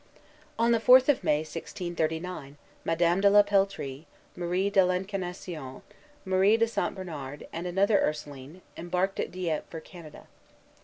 On the fourth of May, 1639, Madame de la Peltrie, Marie de l'Incarnation, Marie de St. Bernard, and another Ursuline, embarked at Dieppe for Canada.